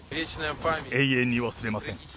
永遠に忘れません。